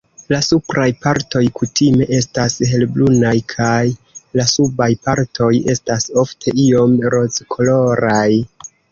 La supraj partoj kutime estas helbrunaj, kaj la subaj partoj estas ofte iom rozkoloraj.